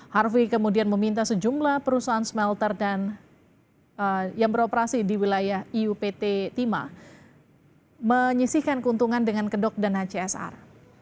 harvey kemudian meminta sejumlah perusahaan smelter dan yang beroperasi di wilayah iupt timah menyisihkan keuntungan dengan kedok dan hcsr